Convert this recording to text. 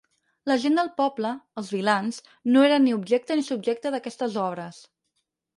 La gent del poble, els vilans, no eren ni objecte ni subjecte d'aquestes obres.